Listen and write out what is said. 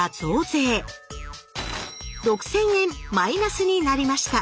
６，０００円マイナスになりました。